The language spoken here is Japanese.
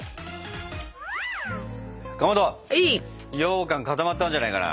かまどようかん固まったんじゃないかな。